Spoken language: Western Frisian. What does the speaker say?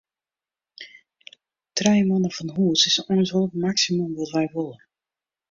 Trije moanne fan hûs is eins wol it maksimum wat wy wolle.